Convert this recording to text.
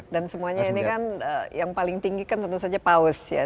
dan semuanya ini kan yang paling tinggi kan tentu saja paus ya